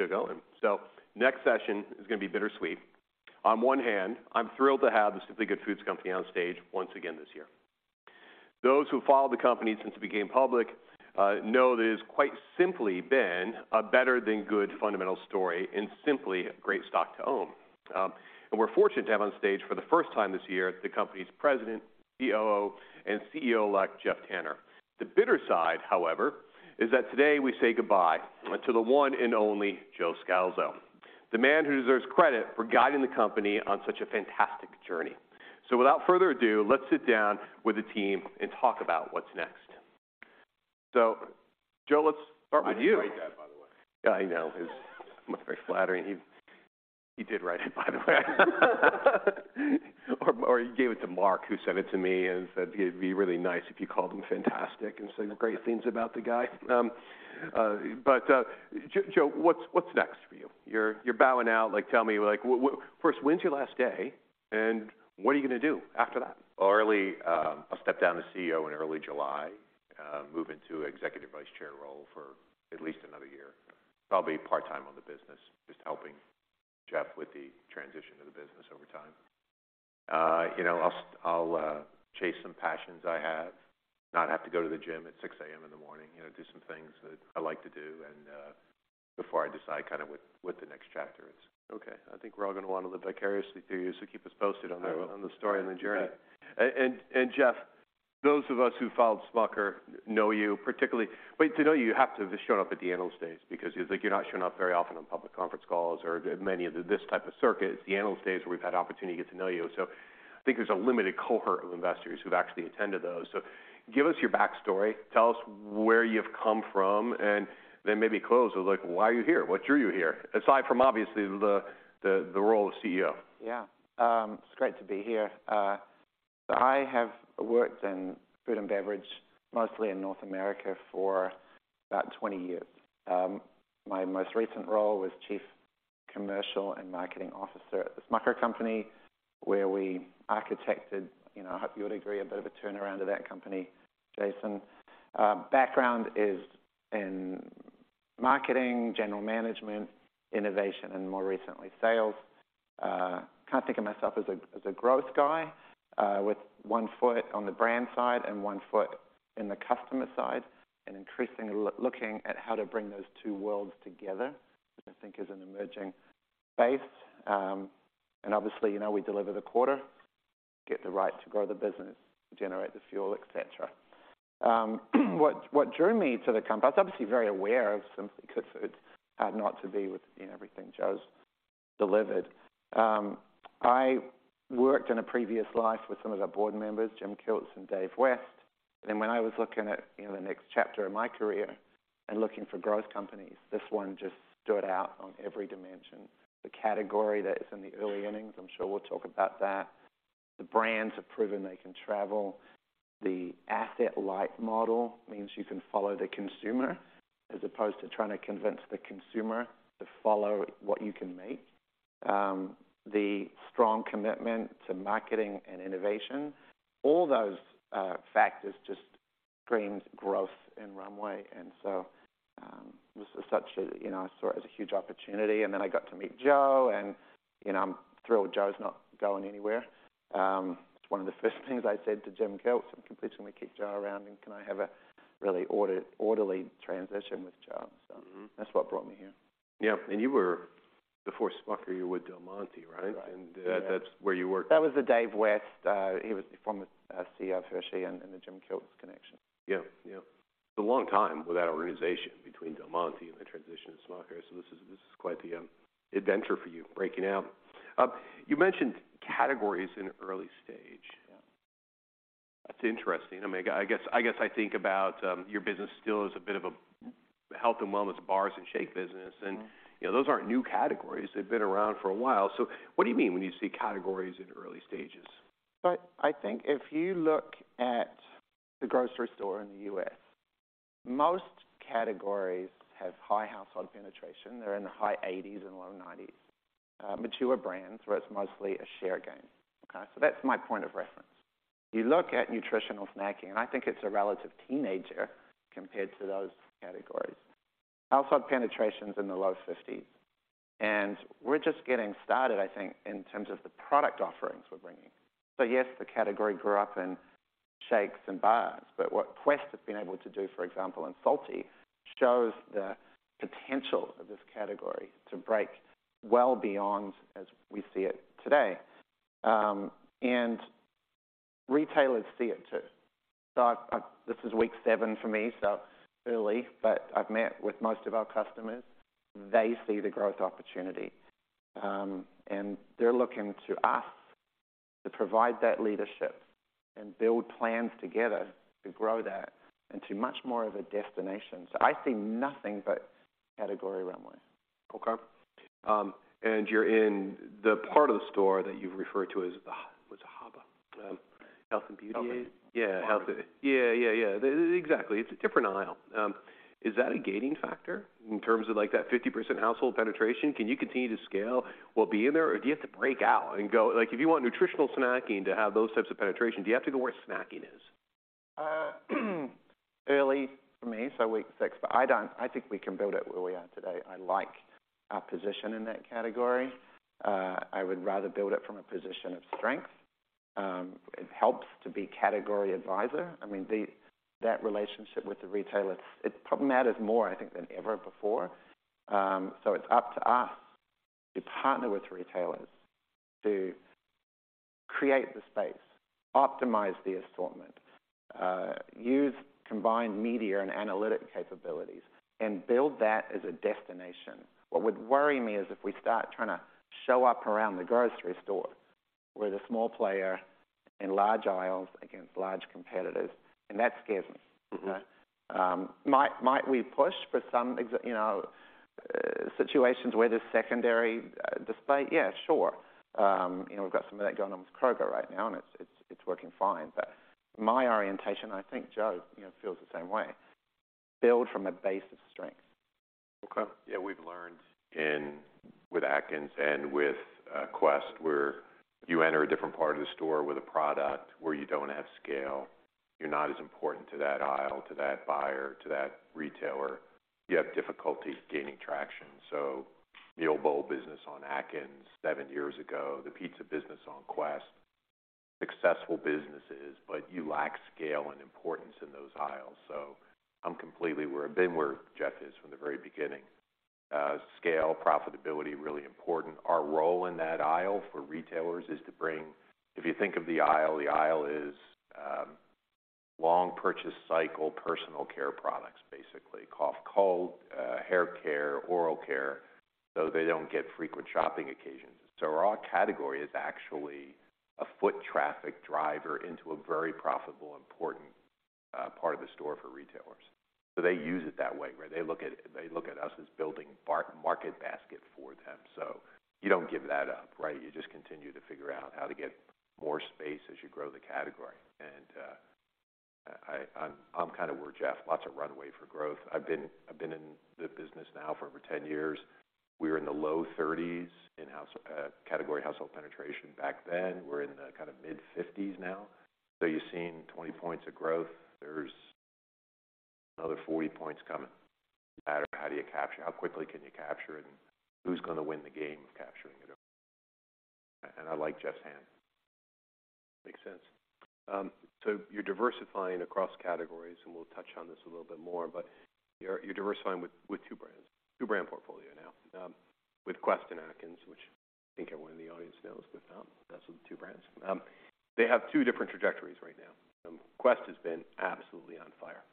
Let's keep the show going. Next session is gonna be bittersweet. On one hand, I'm thrilled to have The Simply Good Foods Company on stage once again this year. Those who followed the company since it became public, know that it has quite simply been a better-than-good fundamental story and simply a great stock to own. We're fortunate to have on stage for the first time this year the company's President, COO, and CEO-elect, Geoff Tanner. The bitter side, however, is that today we say goodbye to the one and only Joe Scalzo, the man who deserves credit for guiding the company on such a fantastic journey. Without further ado, let's sit down with the team and talk about what's next. Joe, let's start with you. I did write that, by the way. Yeah, I know. It's not very flattering. He did write it, by the way. He gave it to Mark, who sent it to me and said it'd be really nice if you called him fantastic and say great things about the guy. Joe, what's next for you? You're bowing out. Like, tell me, like, first, when's your last day, and what are you gonna do after that? Well, early, I'll step down as CEO in early July, move into Executive Vice Chair role for at least another year. Probably part-time on the business, just helping Geoff with the transition of the business over time. You know, I'll chase some passions I have, not have to go to the gym at 6:00 A.M. in the morning. You know, do some things that I like to do and before I decide kinda what the next chapter is. Okay. I think we're all gonna wanna live vicariously through you. I will on the story and the journey. Yeah. Geoff, those of us who followed Smucker know you, particularly. Well, to know you have to have just shown up at the analyst days because you're, like, you're not showing up very often on public conference calls or many of this type of circuit. It's the analyst days where we've had opportunity to get to know you. I think there's a limited cohort of investors who've actually attended those. Give us your backstory. Tell us where you've come from, maybe close with, like, why are you here? What drew you here, aside from obviously the role of CEO? Yeah. It's great to be here. I have worked in food and beverage, mostly in North America, for about 20 years. My most recent role was Chief Commercial and Marketing Officer at The Smucker Company, where we architected, you know, I hope you would agree, a bit of a turnaround of that company, Jason. Background is in marketing, general management, innovation, and more recently, sales. Kind of think of myself as a growth guy, with one foot on the brand side and one foot in the customer side and increasingly looking at how to bring those two worlds together, which I think is an emerging space. Obviously, you know, we deliver the quarter, get the right to grow the business, generate the fuel, et cetera. What drew me to the... I was obviously very aware of Simply Good Foods, not to be with, you know, everything Joe's delivered. I worked in a previous life with some of the board members, Jim Kilts and Dave West. When I was looking at, you know, the next chapter of my career and looking for growth companies, this one just stood out on every dimension. The category that is in the early innings, I'm sure we'll talk about that. The brands have proven they can travel. The asset-light model means you can follow the consumer as opposed to trying to convince the consumer to follow what you can make. The strong commitment to marketing and innovation, all those factors just screams growth and runway. This is such a, you know, I saw it as a huge opportunity. I got to meet Joe, and, you know, I'm thrilled Joe's not going anywhere. It's one of the first things I said to Jim Kilts, "I'm completely gonna keep Joe around, and can I have a really orderly transition with Joe? Mm-hmm that's what brought me here. Yeah. You were, before Smucker, you were with Del Monte, right? Right. Yeah. That's where you worked. That was the Dave West. He was the former CEO of Hershey and the Jim Kilts connection. Yeah. It's a long time with that organization between Del Monte and the transition to Smucker, so this is quite the adventure for you, breaking out. You mentioned categories in early stage. Yeah. That's interesting. I mean, I guess I think about your business still as a bit of a health and wellness bars and shake business. Mm-hmm... you know, those aren't new categories. They've been around for a while. What do you mean when you see categories in early stages? I think if you look at the grocery store in the U.S., most categories have high household penetration. They're in the high 80s and low 90s. Mature brands, where it's mostly a share game, okay? That's my point of reference. You look at nutritional snacking, and I think it's a relative teenager compared to those categories. Household penetration's in the low 50s, and we're just getting started, I think, in terms of the product offerings we're bringing. Yes, the category grew up in shakes and bars, but what Quest has been able to do, for example, in salty shows the potential of this category to break well beyond as we see it today. And retailers see it too. This is week seven for me, so early, but I've met with most of our customers. They see the growth opportunity, and they're looking to us to provide that leadership and build plans together to grow that into much more of a destination. I see nothing but category runway. Okay. You're in the part of the store that you've referred to as the What's it called? The HABA? Health and beauty aid? Yeah. HABA. Yeah, yeah. Exactly. It's a different aisle. Is that a gaining factor in terms of, like, that 50% household penetration? Can you continue to scale while being there, or do you have to break out and go... Like, if you want nutritional snacking to have those types of penetration, do you have to go where snacking is? Early for me, week six, I think we can build it where we are today. I like our position in that category. I would rather build it from a position of strength. It helps to be category advisor. I mean, that relationship with the retailer, it probably matters more, I think, than ever before. It's up to us to partner with retailers to create the space, optimize the assortment, use combined media and analytic capabilities, and build that as a destination. What would worry me is if we start trying to show up around the grocery store with a small player in large aisles against large competitors, that scares me. Mm-hmm. Might we push for some you know, situations where there's secondary display? Yeah, sure. You know, we've got some of that going on with Kroger right now, and it's working fine. My orientation, I think Joe, you know, feels the same way, build from a base of strength. Okay. Yeah, we've learned with Atkins and with Quest, where you enter a different part of the store with a product where you don't have scale, you're not as important to that aisle, to that buyer, to that retailer. You have difficulty gaining traction. Meal bowl business on Atkins seven years ago, the pizza business on Quest, successful businesses, but you lack scale and importance in those aisles. I'm completely been where Geoff is from the very beginning. Scale, profitability, really important. Our role in that aisle for retailers is to bring. If you think of the aisle, the aisle is long purchase cycle, personal care products, basically. Cough, cold, hair care, oral care, they don't get frequent shopping occasions. Our category is actually a foot traffic driver into a very profitable, important part of the store for retailers. They use it that way, right? They look at us as building market basket for them. You don't give that up, right? You just continue to figure out how to get more space as you grow the category. I'm kinda where Jeff, lots of runway for growth. I've been in the business now for over 10 years. We were in the low 30s in category household penetration back then. We're in the kinda mid-50s now. You've seen 20 points of growth. There's another 40 points coming. No matter how do you capture, how quickly can you capture it, and who's gonna win the game of capturing it over time? I like Jeff's hand. Makes sense. You're diversifying across categories, and we'll touch on this a little bit more, but you're diversifying with two brands, two-brand portfolio now, with Quest and Atkins, which I think everyone in the audience knows, but that's the two brands. They have two different trajectories right now. Quest has been absolutely on fire.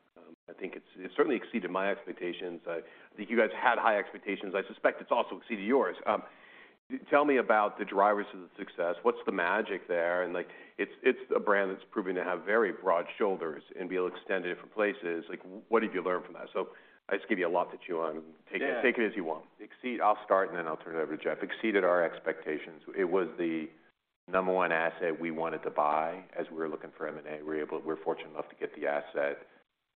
I think it certainly exceeded my expectations. I think you guys had high expectations. I suspect it's also exceeded yours. Tell me about the drivers of the success. What's the magic there? Like, it's a brand that's proven to have very broad shoulders and be able to extend to different places. Like, what did you learn from that? I just gave you a lot to chew on. Yeah. Take it as you want. I'll start, and then I'll turn it over to Geoff. Exceeded our expectations. It was the number one asset we wanted to buy as we were looking for M&A. We were fortunate enough to get the asset.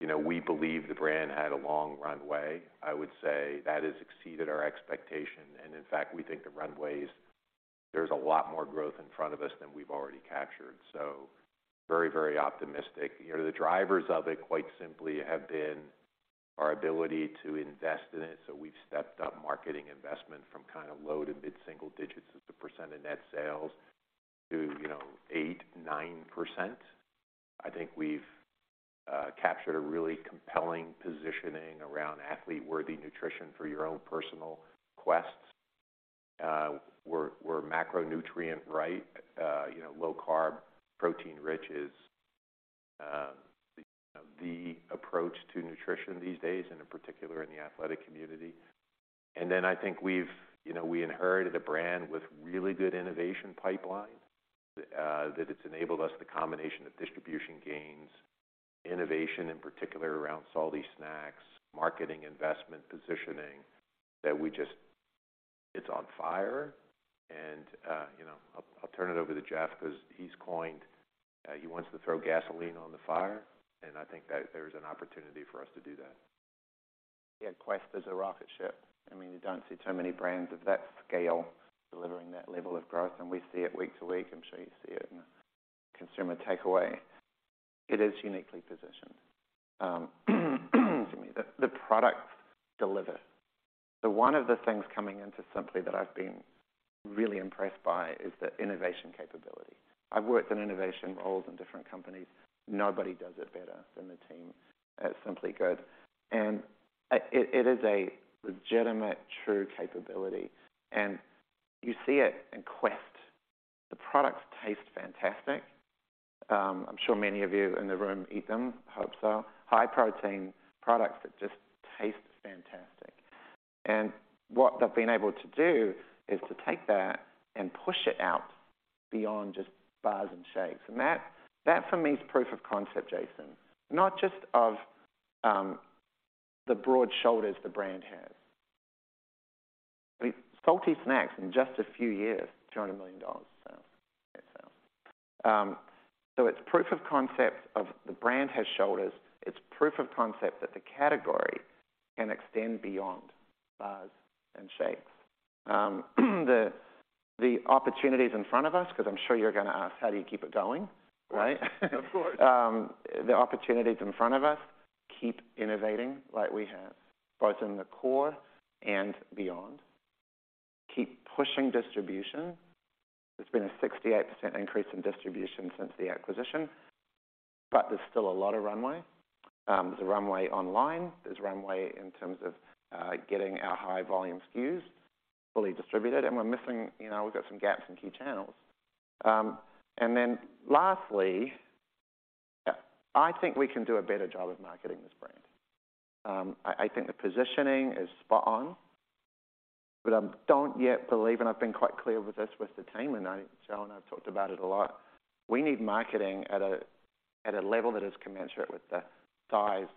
You know, we believe the brand had a long runway. I would say that has exceeded our expectation, and in fact, we think the runways, there's a lot more growth in front of us than we've already captured. Very, very optimistic. You know, the drivers of it quite simply have been our ability to invest in it. We've stepped up marketing investment from kind of low to mid-single digits as a % of net sales to, you know, 8%, 9%. I think we've captured a really compelling positioning around athlete-worthy nutrition for your own personal quests. We're macronutrient right. You know, low-carb, protein-rich is, the, you know, the approach to nutrition these days, and in particular in the athletic community. Then I think we've You know, we inherited a brand with really good innovation pipeline, that it's enabled us the combination of distribution gains, innovation, in particular around salty snacks, marketing, investment, positioning, that we just It's on fire. You know, I'll turn it over to Geoff 'cause he's coined, he wants to throw gasoline on the fire, and I think that there's an opportunity for us to do that. Yeah, Quest is a rocket ship. I mean, you don't see too many brands of that scale delivering that level of growth, and we see it week to week. I'm sure you see it in consumer takeaway. It is uniquely positioned. Excuse me. The products deliver. One of the things coming into Simply that I've been really impressed by is the innovation capability. I've worked in innovation roles in different companies. Nobody does it better than the team at Simply Good. It is a legitimate, true capability, and you see it in Quest. The products taste fantastic. I'm sure many of you in the room eat them. Hope so. High protein products that just taste fantastic. What they've been able to do is to take that and push it out beyond just bars and shakes. That for me is proof of concept, Jason. Not just of the broad shoulders the brand has. I mean, salty snacks in just a few years, $200 million in sales. It's proof of concept of the brand has shoulders. It's proof of concept that the category can extend beyond bars and shakes. The opportunities in front of us, 'cause I'm sure you're gonna ask, how do you keep it going, right? Of course. The opportunities in front of us, keep innovating like we have, both in the core and beyond. Keep pushing distribution. There's been a 68% increase in distribution since the acquisition. There's still a lot of runway. There's a runway online, there's runway in terms of getting our high volume SKUs fully distributed, and we're missing. You know, we've got some gaps in key channels. Lastly, I think we can do a better job of marketing this brand. I think the positioning is spot on, but I don't yet believe, and I've been quite clear with this with the team, and Joe and I have talked about it a lot. We need marketing at a level that is commensurate with the size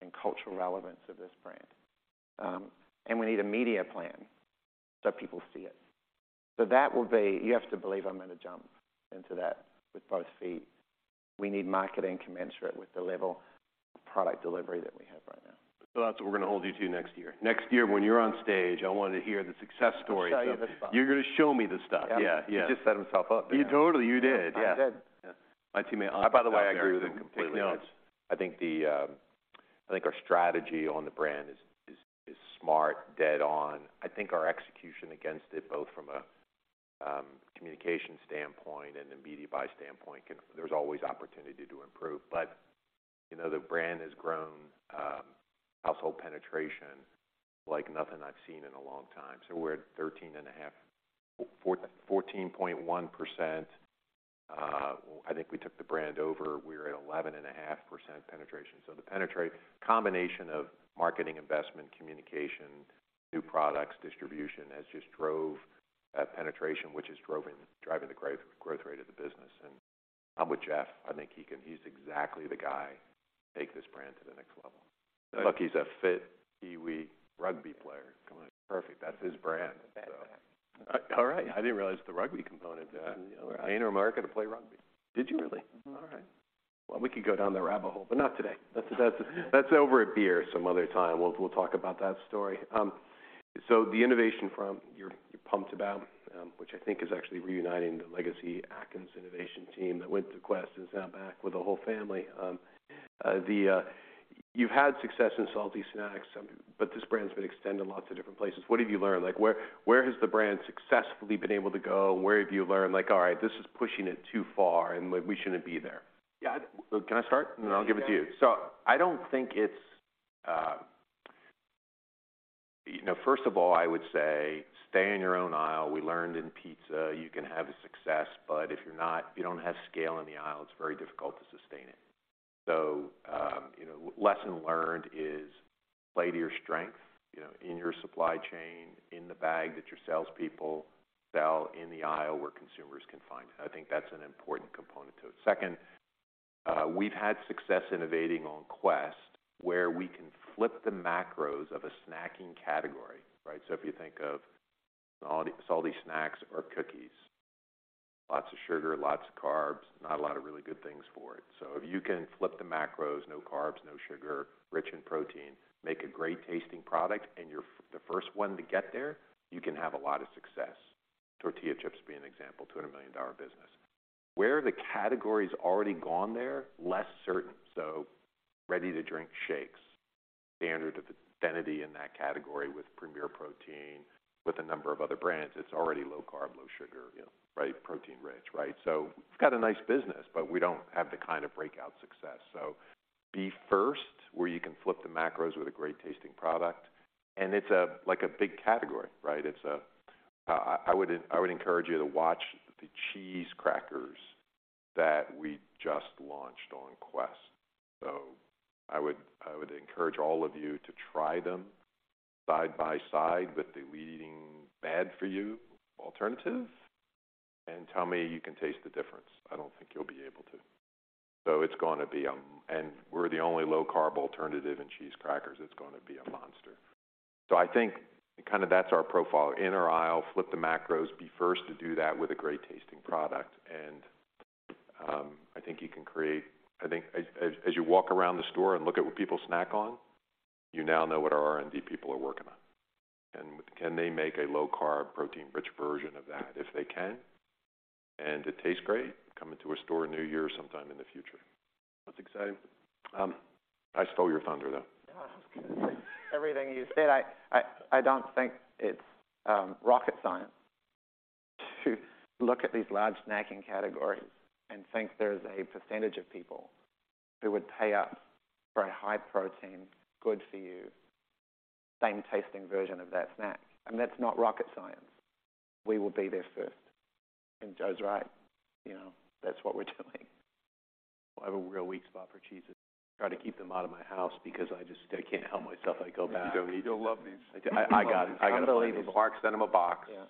and cultural relevance of this brand. We need a media plan so people see it. You have to believe I'm gonna jump into that with both feet. We need marketing commensurate with the level of product delivery that we have right now. That's what we're gonna hold you to next year. Next year, when you're on stage, I wanna hear the success story. I'll show you the stuff. You're gonna show me the stuff. Yeah. Yeah, yeah. He just set himself up again. Totally, you did. Yeah. I did. Yeah. My teammate, Alex, is out there. By the way, I agree with him completely on this. I think the, I think our strategy on the brand is smart, dead on. I think our execution against it, both from a communication standpoint and a media buy standpoint can. There's always opportunity to improve. You know, the brand has grown household penetration like nothing I've seen in a long time. We're at 14.1%. I think we took the brand over, we were at 11.5% penetration. The combination of marketing, investment, communication, new products, distribution has just drove that penetration, which is driving the growth rate of the business. I'm with Geoff. I think he can. He's exactly the guy to take this brand to the next level. Lucky he's a fit, kiwi rugby player. Come on. Perfect. That's his brand. Badass. All right. I didn't realize the rugby component. Yeah. I came to America to play rugby. Did you really? Mm-hmm. All right. Well, we could go down the rabbit hole, but not today. That's over a beer some other time. We'll talk about that story. The innovation front, you're pumped about, which I think is actually reuniting the legacy Atkins innovation team that went to Quest, is now back with the whole family. You've had success in salty snacks. This brand's been extended lots of different places. What have you learned? Like, where has the brand successfully been able to go? Where have you learned like, "All right, this is pushing it too far, and like, we shouldn't be there"? Yeah. Can I start? Yeah. No, I'll give it to you. I don't think it's... You know, first of all, I would say stay in your own aisle. We learned in pizza you can have success, but if you don't have scale in the aisle, it's very difficult to sustain it. You know, lesson learned is play to your strength, you know, in your supply chain, in the bag that your salespeople sell in the aisle where consumers can find it. I think that's an important component to it. Second, we've had success innovating on Quest, where we can flip the macros of a snacking category, right? If you think of salty snacks or cookies, lots of sugar, lots of carbs, not a lot of really good things for it. If you can flip the macros, no carbs, no sugar, rich in protein, make a great tasting product, and you're the first one to get there, you can have a lot of success. Tortilla chips being an example, $200 million business. Where the category's already gone there, less certain. Ready-to-drink shakes. Standard of identity in that category with Premier Protein, with a number of other brands, it's already low carb, low sugar, you know, right? Protein rich, right? We've got a nice business, but we don't have the kind of breakout success. Be first where you can flip the macros with a great tasting product, and it's a, like a big category, right? It's a. I would encourage you to watch the cheese crackers that we just launched on Quest. I would encourage all of you to try them side by side with the leading bad for you alternative and tell me you can taste the difference. I don't think you'll be able to. It's gonna be. We're the only low-carb alternative in cheese crackers. It's gonna be a monster. I think kind of that's our profile. In our aisle, flip the macros, be first to do that with a great tasting product. I think you can create. I think as you walk around the store and look at what people snack on, you now know what our R&D people are working on. Can they make a low-carb protein-rich version of that? If they can and it tastes great, come into a store near you sometime in the future. That's exciting. I stole your thunder, though. No, I was gonna say everything you said. I don't think it's rocket science to look at these large snacking categories and think there's a percentage of people who would pay up for a high protein, good for you, same tasting version of that snack. I mean, that's not rocket science. We will be there first. Joe's right, you know, that's what we're doing. I have a real weak spot for cheeses. Try to keep them out of my house because I can't help myself. I go back. You do. You'll love these. I do. I got it. You'll love these. Mark, send him a box. Yeah.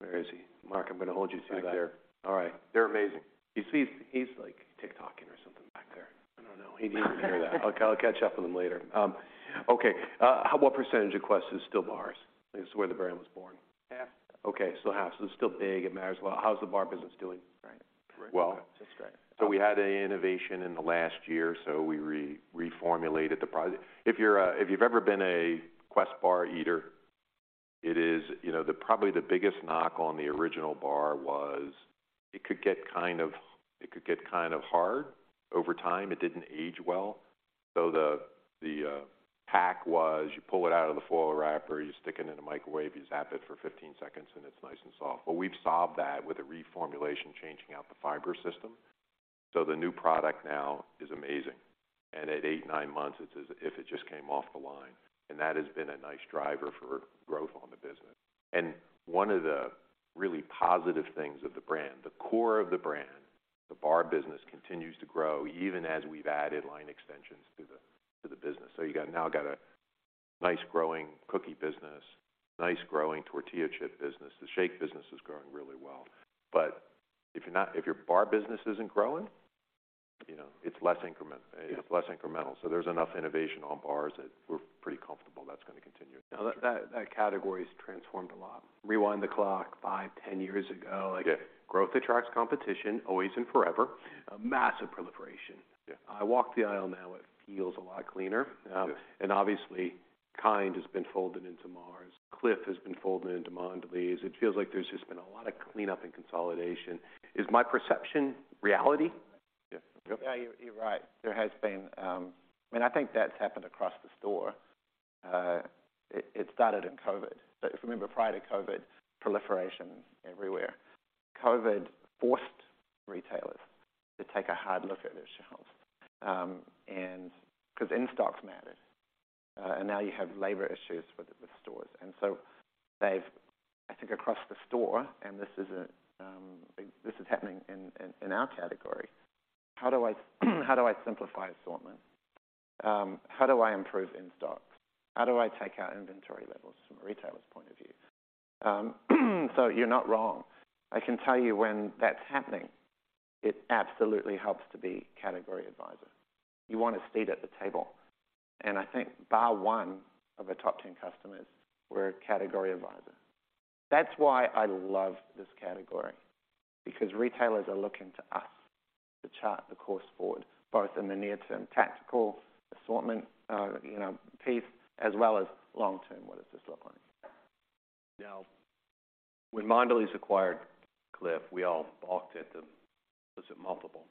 Where is he? Mark, I'm gonna hold you to that. He's back there. All right. They're amazing. You see he's like TikToking or something back there. I don't know. He didn't hear that. I'll catch up with him later. Okay. What % of Quest is still bars? It's where the brand was born. Half. Okay, still half. It's still big. It matters. Well, how's the bar business doing? Well- That's great. We had an innovation in the last year, so we reformulated the product. If you're, if you've ever been a Quest bar eater, it is, you know. Probably the biggest knock on the original bar was it could get kind of hard over time. It didn't age well. The hack was you pull it out of the foil wrapper, you stick it in a microwave, you zap it for 15 seconds, and it's nice and soft. We've solved that with a reformulation, changing out the fiber system. The new product now is amazing. At 8, 9 months, it's as if it just came off the line, and that has been a nice driver for growth on the business. One of the really positive things of the brand, the core of the brand, the bar business, continues to grow even as we've added line extensions to the business. You now got a nice growing cookie business, nice growing tortilla chip business. The shake business is growing really well. If your bar business isn't growing, you know, it's less increment- Yeah... it's less incremental. There's enough innovation on bars that we're pretty comfortable that's gonna continue. Now, that category has transformed a lot. Rewind the clock 5, 10 years ago. Growth attracts competition, always and forever. A massive proliferation. Yeah. I walk the aisle now, it feels a lot cleaner. Yes. Obviously, KIND has been folded into Mars. Clif has been folded into Mondelēz. It feels like there's just been a lot of cleanup and consolidation. Is my perception reality? Yeah. Okay. Yeah, you're right. There has been, I mean, I think that's happened across the store. It started in COVID. If you remember prior to COVID, proliferation everywhere. COVID forced retailers to take a hard look at their shelves, and 'cause in-stocks mattered. Now you have labor issues with stores. They've, I think, across the store, and this is happening in our category, how do I simplify assortment? How do I improve in-stocks? How do I take out inventory levels from a retailer's point of view? You're not wrong. I can tell you when that's happening, it absolutely helps to be category advisor. You want a seat at the table. I think bar one of our top 10 customers, we're a category advisor. That's why I love this category, because retailers are looking to us to chart the course forward, both in the near term tactical assortment, you know, piece, as well as long-term, what does this look like? When Mondelēz acquired Clif, we all balked at the. Was it multiple?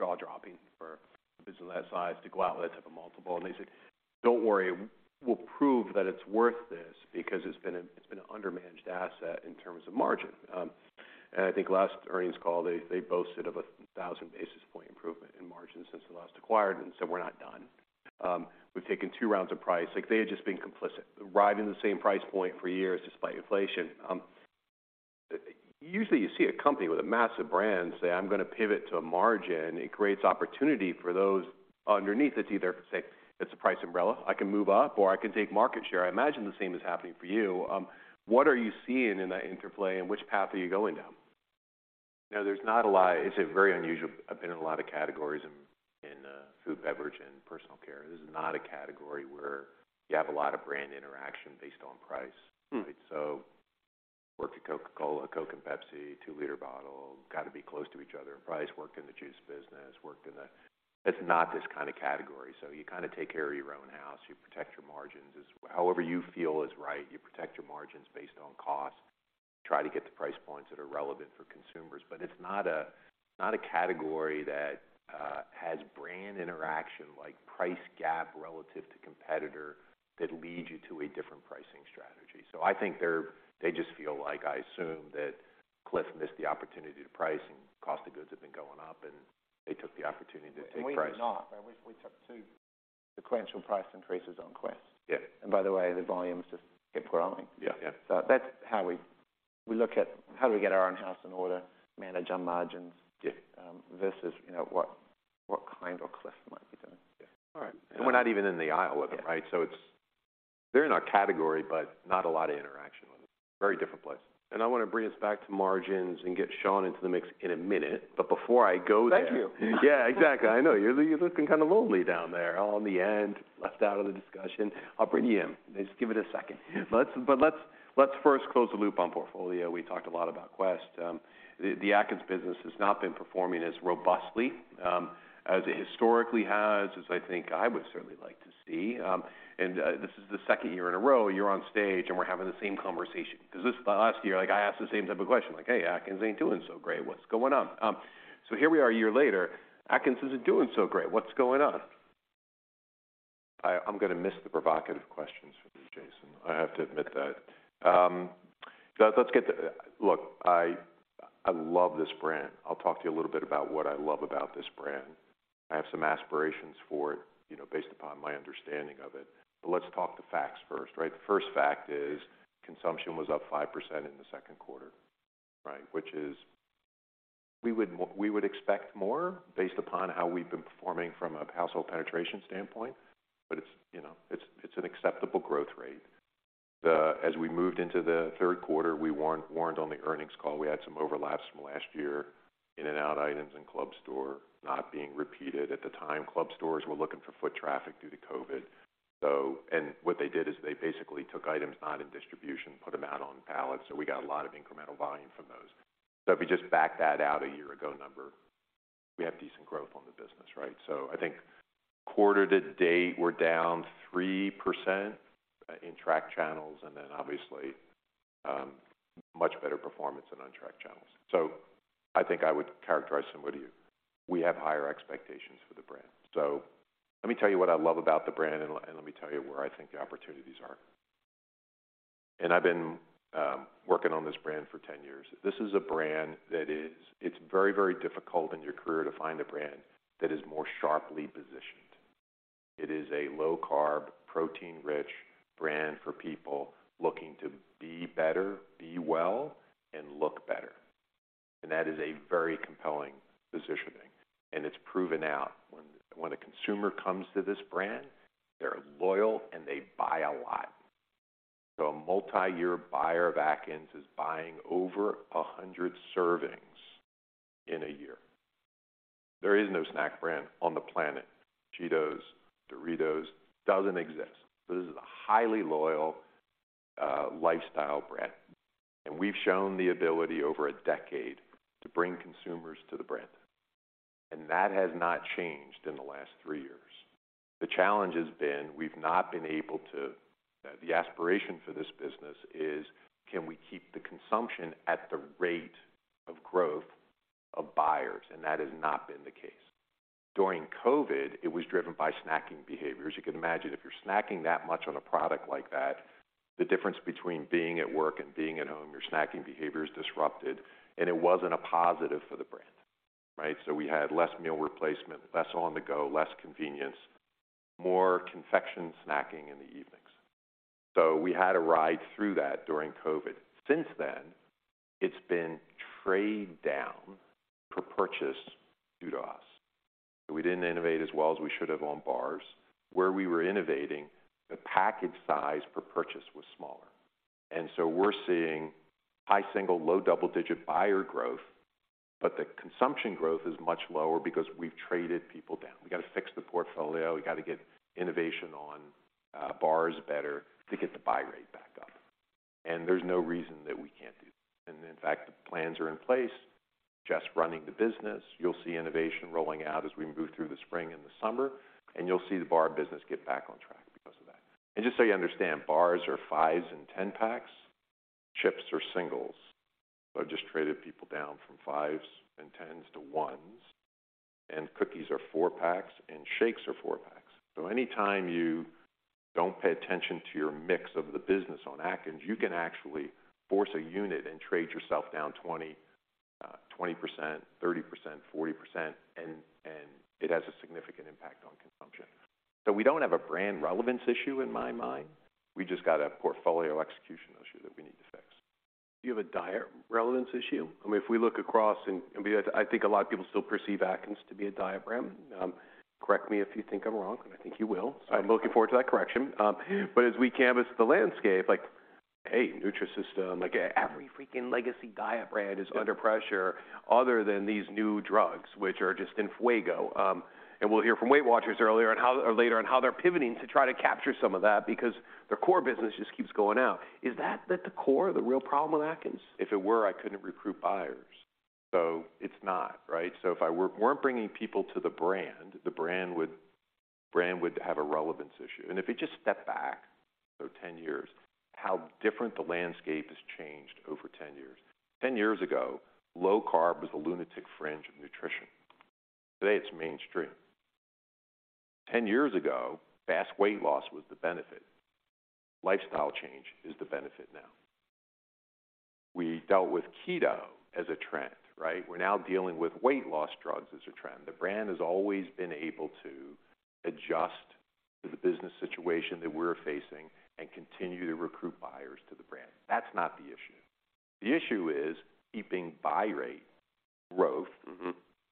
Jaw-dropping for a business of that size to go out with that type of multiple. They said, "Don't worry, we'll prove that it's worth this because it's been an under-managed asset in terms of margin." I think last earnings call, they boasted of a 1,000 basis point improvement in margin since the last acquired and said, "We're not done. We've taken two rounds of price." Like, they had just been complicit, riding the same price point for years despite inflation. Usually you see a company with a massive brand say, "I'm gonna pivot to a margin," it creates opportunity for those underneath it to either say, "It's a price umbrella. I can move up or I can take market share." I imagine the same is happening for you. What are you seeing in that interplay, and which path are you going down? You know, I've been in a lot of categories in food, beverage, and personal care. This is not a category where you have a lot of brand interaction based on price. Hmm. Right? Worked at Coca-Cola, Coke and Pepsi, two-liter bottle, gotta be close to each other in price. Worked in the juice business, worked in the. It's not this kinda category. You kinda take care of your own house. You protect your margins as. However you feel is right, you protect your margins based on cost, try to get the price points that are relevant for consumers. It's not a, it's not a category that has brand interaction like price gap relative to competitor that lead you to a different pricing strategy. I think they just feel, like I assume, that Clif missed the opportunity to price and cost of goods have been going up, and they took the opportunity to take price. We did not. We took two sequential price increases on Quest. Yeah. By the way, the volumes just kept growing. Yeah. Yeah. That's how we look at how do we get our own house in order, manage our margins. Yeah... versus, you know, what KIND or Clif might be doing. Yeah. All right. We're not even in the aisle with them, right? Yeah. They're in our category, but not a lot of interaction with them. Very different place. I wanna bring us back to margins and get Shaun into the mix in a minute. Before I go there. Thank you. Yeah, exactly. I know. You're looking kinda lonely down there, all on the end, left out of the discussion. I'll bring you in. Just give it a second. Let's first close the loop on portfolio. We talked a lot about Quest. The Atkins business has not been performing as robustly as it historically has, as I think I would certainly like to see. This is the second year in a row you're on stage and we're having the same conversation. 'Cause last year, like, I asked the same type of question, like, "Hey, Atkins ain't doing so great. What's going on?" Here we are a year later. Atkins isn't doing so great. What's going on? I'm gonna miss the provocative questions from you, Jason. I have to admit that. Let's get to. Look, I love this brand. I'll talk to you a little bit about what I love about this brand. I have some aspirations for it, you know, based upon my understanding of it. Let's talk the facts first, right? The first fact is consumption was up 5% in the second quarter, right? Which is, we would expect more based upon how we've been performing from a household penetration standpoint. It's, you know, it's an acceptable growth rate. As we moved into the third quarter, we weren't warned on the earnings call. We had some overlaps from last year. In and out items in club store not being repeated. At the time, club stores were looking for foot traffic due to COVID. What they did is they basically took items not in distribution, put them out on pallets, so we got a lot of incremental volume from those. If you just back that out a year ago number, we have decent growth on the business, right? I think quarter to date, we're down 3% in track channels, and then obviously, much better performance in on-track channels. I think I would characterize similarly to you. We have higher expectations for the brand. Let me tell you what I love about the brand and let me tell you where I think the opportunities are. I've been working on this brand for 10 years. This is a brand that is. It's very, very difficult in your career to find a brand that is more sharply positioned. It is a low-carb, protein-rich brand for people looking to be better, be well, and look better. That is a very compelling positioning, and it's proven out. When a consumer comes to this brand, they're loyal and they buy a lot. A multi-year buyer of Atkins is buying over 100 servings in a year. There is no snack brand on the planet, Cheetos, Doritos, doesn't exist. This is a highly loyal lifestyle brand, and we've shown the ability over a decade to bring consumers to the brand. That has not changed in the last three years. The challenge has been, we've not been able to. The aspiration for this business is, can we keep the consumption at the rate of growth of buyers? That has not been the case. During COVID, it was driven by snacking behaviors. You can imagine if you're snacking that much on a product like that, the difference between being at work and being at home, your snacking behavior is disrupted, it wasn't a positive for the brand, right? We had less meal replacement, less on-the-go, less convenience, more confection snacking in the evenings. We had a ride through that during COVID. Since then, it's been trade down per purchase due to us. We didn't innovate as well as we should have on bars. Where we were innovating, the package size per purchase was smaller. We're seeing high single-low double-digit buyer growth, but the consumption growth is much lower because we've traded people down. We got to fix the portfolio. We got to get innovation on bars better to get the buy rate back up. There's no reason that we can't do that. In fact, the plans are in place, just running the business. You'll see innovation rolling out as we move through the spring and the summer, and you'll see the bar business get back on track because of that. Just so you understand, bars are 5 and 10 packs. Chips are singles. Just traded people down from 5 and 10s to 1s, and cookies are 4 packs, and shakes are 4 packs. Anytime you don't pay attention to your mix of the business on Atkins, you can actually force a unit and trade yourself down 20%, 30%, 40%, and it has a significant impact on consumption. We don't have a brand relevance issue in my mind. We just got a portfolio execution issue that we need to fix. Do you have a diet relevance issue? I mean, if we look across and, I mean, I think a lot of people still perceive Atkins to be a diet brand. Correct me if you think I'm wrong, and I think you will. I do. I'm looking forward to that correction. As we canvass the landscape, like hey, Nutrisystem, like every freaking legacy diet brand is under pressure other than these new drugs, which are just enfuego. We'll hear from Weight Watchers or later, on how they're pivoting to try to capture some of that because their core business just keeps going out. Is that at the core of the real problem with Atkins? If it were, I couldn't recruit buyers. It's not, right? If I weren't bringing people to the brand, the brand would have a relevance issue. If you just step back 10 years, how different the landscape has changed over 10 years. 10 years ago, low carb was the lunatic fringe of nutrition. Today, it's mainstream. 10 years ago, fast weight loss was the benefit. Lifestyle change is the benefit now. We dealt with keto as a trend, right? We're now dealing with weight loss drugs as a trend. The brand has always been able to adjust to the business situation that we're facing and continue to recruit buyers to the brand. That's not the issue. The issue is keeping buy rate growth- Mm-hmm...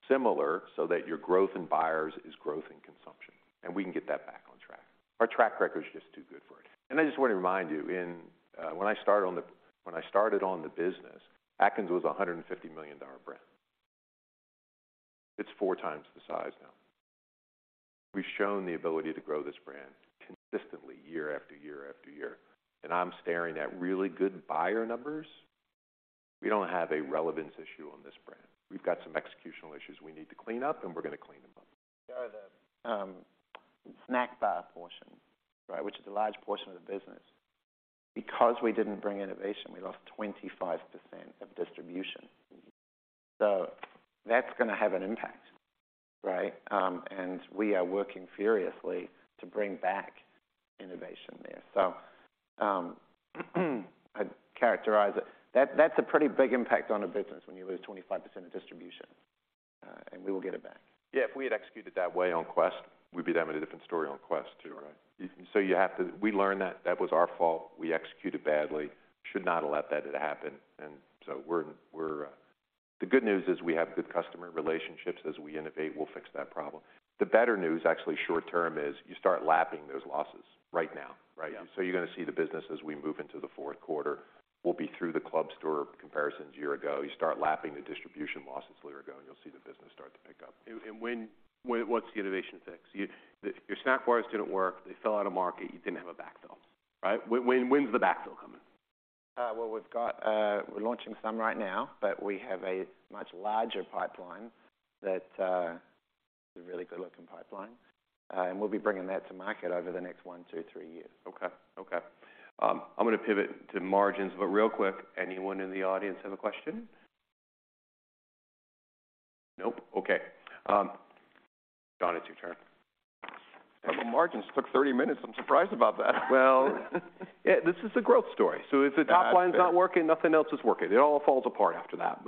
similar so that your growth in buyers is growth in consumption, and we can get that back on track. Our track record is just too good for it. I just want to remind you in, when I started on the business, Atkins was a $150 million brand. It's 4 times the size now. We've shown the ability to grow this brand consistently year after year after year, and I'm staring at really good buyer numbers. We don't have a relevance issue on this brand. We've got some executional issues we need to clean up, and we're gonna clean them up. The snack bar portion, right, which is a large portion of the business, because we didn't bring innovation, we lost 25% of distribution. Mm-hmm. That's gonna have an impact, right? We are working furiously to bring back innovation there. I'd characterize it. That's a pretty big impact on a business when you lose 25% of distribution. We will get it back. Yeah, if we had executed that way on Quest, we'd be having a different story on Quest too, right? Sure. You have to. We learned that that was our fault. We executed badly. Should not have let that happen. The good news is we have good customer relationships. As we innovate, we'll fix that problem. The better news, actually, short term, is you start lapping those losses right now, right? Yeah. You're gonna see the business as we move into the fourth quarter. We'll be through the club store comparisons year ago. You start lapping the distribution losses a year ago, and you'll see the business start to pick up. When what's the innovation fix? Your snack bars didn't work. They fell out of market. You didn't have a backfill, right? When's the backfill coming? well, we've got, we're launching some right now, but we have a much larger pipeline that is a really good-looking pipeline. We'll be bringing that to market over the next one to three years. Okay. Okay. I'm gonna pivot to margins, but real quick, anyone in the audience have a question? Nope. Okay. Shaun, it's your turn. Talking about margins took 30 minutes. I'm surprised about that. Well, yeah, this is a growth story. That's it. If the top line's not working, nothing else is working. It all falls apart after that.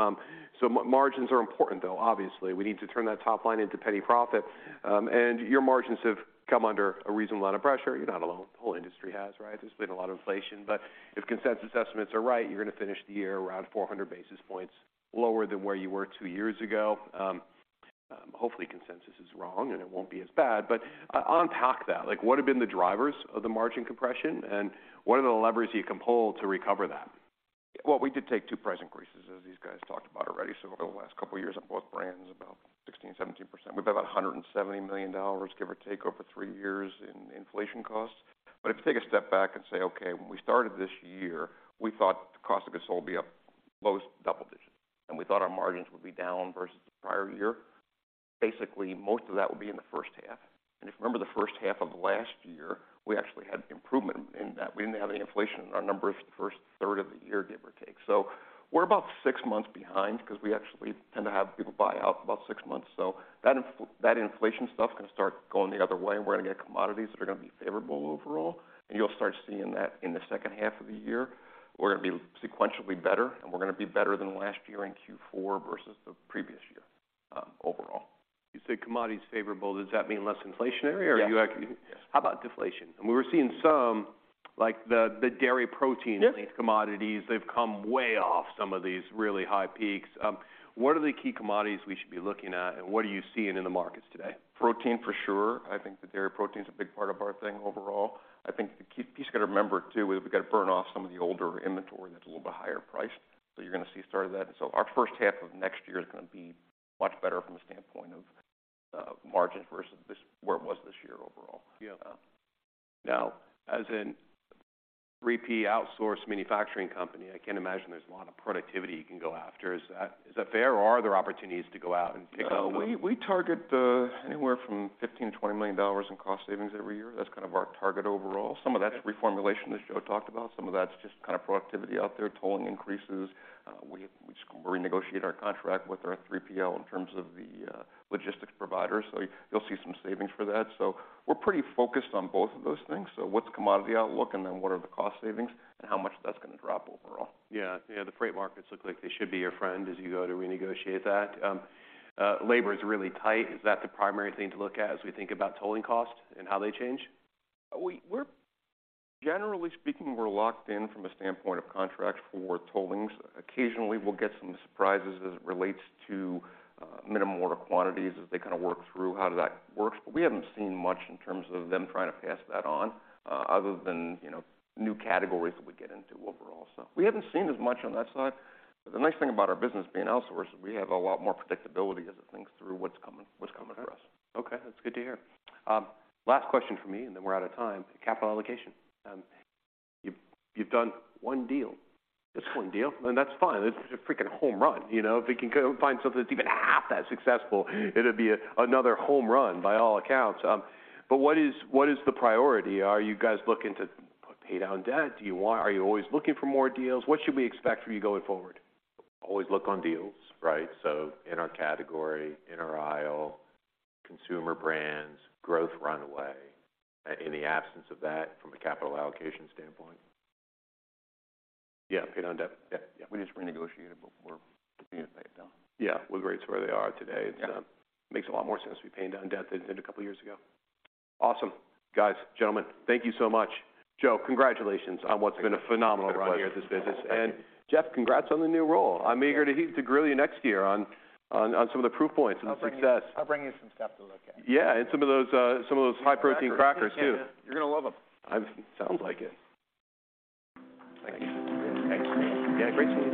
Margins are important, though, obviously. We need to turn that top line into penny profit. Your margins have come under a reasonable amount of pressure. You're not alone. The whole industry has, right? There's been a lot of inflation. If consensus estimates are right, you're gonna finish the year around 400 basis points lower than where you were two years ago. Hopefully, consensus is wrong, and it won't be as bad. Unpack that. Like, what have been the drivers of the margin compression, and what are the levers you can pull to recover that? We did take 2 price increases, as these guys talked about already. Over the last couple years on both brands, about 16%-17%. We've had about $170 million, give or take, over 3 years in inflation costs. If you take a step back and say, "Okay, when we started this year, we thought the cost of goods sold would be up low double digits, and we thought our margins would be down versus the prior year." Basically, most of that will be in the first half. If you remember the first half of last year, we actually had improvement in that. We didn't have any inflation in our numbers the first third of the year, give or take. We're about 6 months behind because we actually tend to have people buy out about 6 months. That inflation stuff can start going the other way. We're gonna get commodities that are gonna be favorable overall, and you'll start seeing that in the second half of the year. We're gonna be sequentially better, and we're gonna be better than last year in Q4 versus the previous year, overall. You say commodities favorable. Does that mean less inflationary? Yeah. are you actually- Yes. How about deflation? We were seeing some, like the dairy protein- Yeah -linked commodities. They've come way off some of these really high peaks. What are the key commodities we should be looking at, and what are you seeing in the markets today? Protein, for sure. I think the dairy protein's a big part of our thing overall. I think the key piece you gotta remember, too, is we've gotta burn off some of the older inventory that's a little bit higher priced. You're gonna see the start of that. Our first half of next year is gonna be much better from a standpoint of margins versus where it was this year overall. Yeah. As a 3P outsource manufacturing company, I can't imagine there's a lot of productivity you can go after. Is that fair, or are there opportunities to go out and pick up- We target anywhere from $15 million-$20 million in cost savings every year. That's kind of our target overall. Okay. Some of that's reformulation, as Joe talked about. Some of that's just kind of productivity out there, tolling increases. We just renegotiate our contract with our 3PL in terms of the logistics provider. You'll see some savings for that. We're pretty focused on both of those things. What's the commodity outlook, and then what are the cost savings and how much that's gonna drop overall. Yeah. Yeah, the freight markets look like they should be your friend as you go to renegotiate that. Labor is really tight. Is that the primary thing to look at as we think about tolling costs and how they change? We're generally speaking, we're locked in from a standpoint of contracts for tollings. Occasionally, we'll get some surprises as it relates to minimum order quantities as they kinda work through how that works. We haven't seen much in terms of them trying to pass that on, other than, you know, new categories that we get into overall. We haven't seen as much on that side. The nice thing about our business being outsourced is we have a lot more predictability as it thinks through what's coming for us. Okay. That's good to hear. Last question from me, and then we're out of time, capital allocation. You've done one deal. Just one deal. That's fine. It's a freaking home run. You know, if we can go find something that's even half that successful, it'll be another home run by all accounts. What is the priority? Are you guys looking to pay down debt? Are you always looking for more deals? What should we expect from you going forward? Always look on deals, right? In our category, in our aisle, consumer brands, growth runway. In the absence of that, from a capital allocation standpoint. Yeah, pay down debt. Yeah. Yeah. We just renegotiated, but we're looking to pay it down. Yeah. With rates where they are today- Yeah It makes a lot more sense to be paying down debt than it did a couple years ago. Awesome. Guys, gentlemen, thank you so much. Joe, congratulations on what's been a phenomenal run here at this business. Thank you. Geoff, congrats on the new role. I'm eager to grill you next year on some of the proof points and success. I'll bring you some stuff to look at. Yeah, some of those, some of those high protein crackers too. You're gonna love them. Sounds like it. Thanks. Thanks. You had a great team.